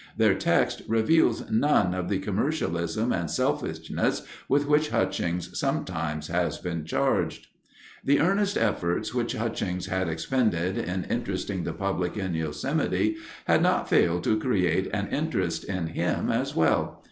Their text reveals none of the commercialism and selfishness with which Hutchings sometimes has been charged. The earnest efforts which Hutchings had expended in interesting the public in Yosemite had not failed to create an interest in him as well.